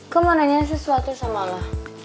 gue mau nanya sesuatu sama lo